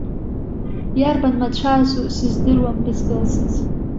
Иарбан мацәазу сыздыруам бызкылсыз.